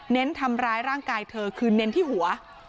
ทำร้ายร่างกายเธอคือเน้นที่หัว